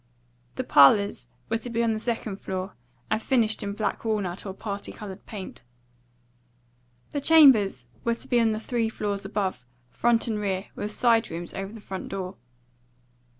The parlours were to be on the second floor, and finished in black walnut or party coloured paint. The chambers were to be on the three floors above, front and rear, with side rooms over the front door.